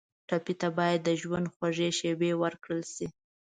ټپي ته باید د ژوند خوږې شېبې ورکړل شي.